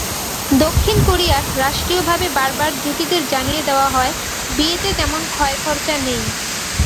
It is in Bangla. দক্ষিণ কোরিয়ায় রাষ্ট্রীয়ভাবে বারবার জুটিদের জানিয়ে দেওয়া হয়, বিয়েতে তেমন খয়খরচা নেই।